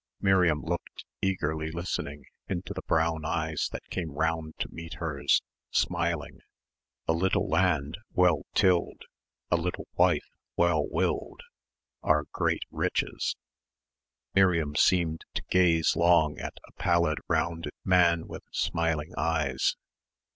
Miriam looked, eagerly listening, into the brown eyes that came round to meet hers, smiling: "A little land, well tilled, A little wife, well willed, Are great riches." Miriam seemed to gaze long at a pallid, rounded man with smiling eyes.